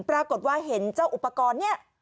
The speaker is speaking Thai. ปรากฏว่าเห็นเจ้าอุปกรณ์นี้